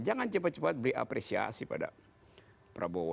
jangan cepat cepat beri apresiasi pada prabowo